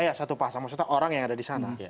ya satu pasang maksudnya orang yang ada di sana